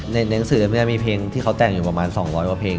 หนังสืออันนี้มีเพลงที่เขาแต่งอยู่ประมาณ๒๐๐กว่าเพลง